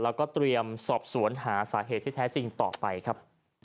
แล้วก็เตรียมสอบสวนหาสาเหตุที่แท้จริงต่อไปครับ